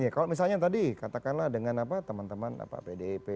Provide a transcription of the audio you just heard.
kalau misalnya tadi katakanlah dengan teman teman pdip